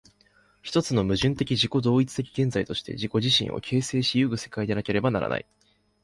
一つの矛盾的自己同一的現在として自己自身を形成し行く世界でなければならない。